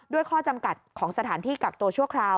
ข้อจำกัดของสถานที่กักตัวชั่วคราว